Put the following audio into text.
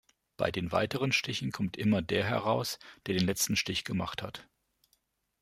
Bei den weiteren Stichen kommt immer der heraus, der den letzten Stich gemacht hat.